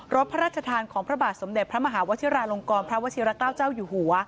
พระราชทานของพระบาทสมเด็จพระมหาวชิราลงกรพระวชิระเกล้าเจ้าอยู่หัว